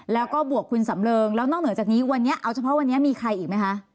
แล้วก็บวกคุณสำเริงแล้วนอกเหนือจากนี้วันนี้เอาเฉพาะวันนี้มีใครอีกไหมคะ